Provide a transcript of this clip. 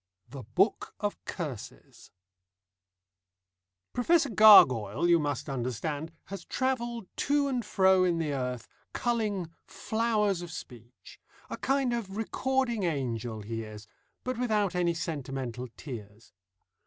THE BOOK OF CURSES Professor Gargoyle, you must understand, has travelled to and fro in the earth, culling flowers of speech: a kind of recording angel he is, but without any sentimental tears.